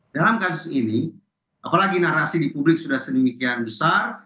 dalam kasus ini apalagi narasi di publik sudah sedemikian besar